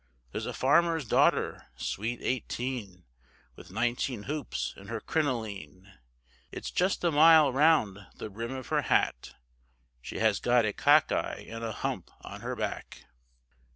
There's a farmer's daughter, sweet eighteen, With nineteen hoops in her crinoline; It's just a mile round the brim of her hat, She has got a cock eye and a hump on her back.